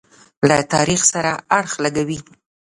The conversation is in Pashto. له تاریخ سره اړخ لګوي.